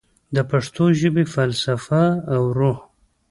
د پښتو ژبې فلسفه او روح